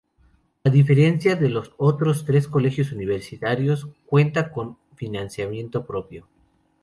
A diferencia de los otros tres colegios universitarios, cuenta con financiamiento propio.